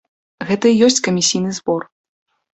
Гэта і ёсць камісійны збор.